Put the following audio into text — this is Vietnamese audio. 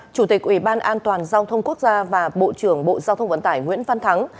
chủ tịch ủy ban an toàn giao thông quốc gia và bộ trưởng bộ giao thông vận tải nguyễn văn thắng